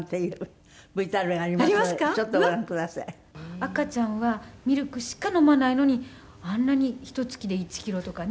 「赤ちゃんはミルクしか飲まないのにあんなにひと月で１キロとかね